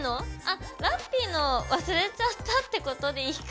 あっラッピィの忘れちゃったってことでいいかな？